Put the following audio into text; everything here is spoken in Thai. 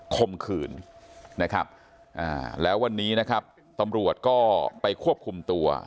ข่มขืนนะครับแล้ววันนี้นะครับตำรวจก็ไปควบคุมตัว